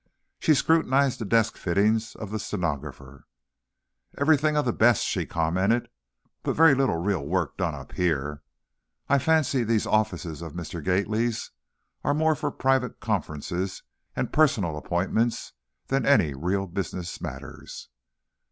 She scrutinized the desk fittings of the stenographer. "Everything of the best," she commented, "but very little real work done up here. I fancy these offices of Mr. Gately's are more for private conferences and personal appointments than any real business matters."